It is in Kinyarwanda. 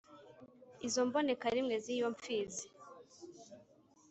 Izo mbonekarimwe z'iyo mfizi